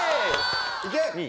いけ！